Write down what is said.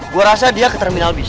gue rasa dia ke terminal bis